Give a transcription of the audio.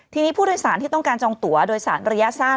ทีนี้ผู้โดยสารที่ต้องการจองตัวโดยสารระยะสั้น